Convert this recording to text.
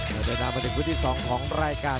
แล้วได้นำมาถึงวิธีสองของรายการ